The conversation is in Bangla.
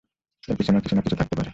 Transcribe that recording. এর পেছনেও কিছু-না-কিছু থাকতে পারে।